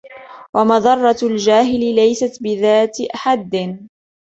وَمَضَرَّةُ الْجَاهِلِ لَيْسَتْ بِذَاتِ حَدٍّ